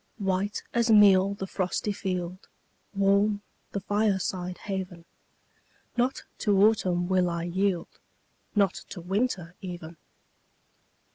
White as meal the frosty field Warm the fireside haven Not to autumn will I yield, Not to winter even!